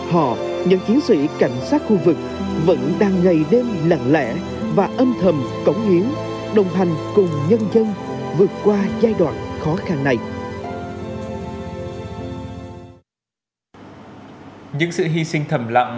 họ những chiến sĩ cảnh sát khu vực